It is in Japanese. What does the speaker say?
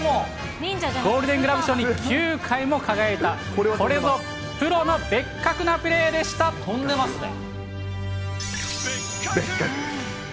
ゴールデン・グラブ賞に９回も輝いた、これぞプロのベッカクなプ飛んでますね。